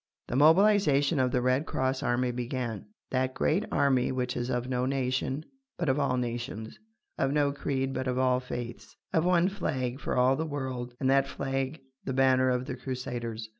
The mobilisation of the Red Cross army began that great army which is of no nation, but of all nations, of no creed but of all faiths, of one flag for all the world and that flag the banner of the Crusaders.